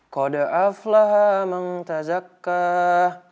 kau da'af lah mengtazakah